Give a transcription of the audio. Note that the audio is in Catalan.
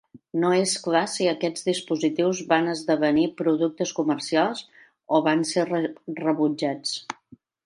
No és clar si aquests dispositius van esdevenir productes comercials o van ser rebutjats.